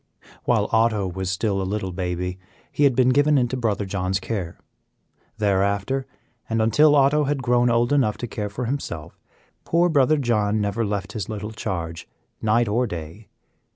While Otto was still a little baby, he had been given into Brother John's care. Thereafter, and until Otto had grown old enough to care for himself, poor Brother John never left his little charge, night or day.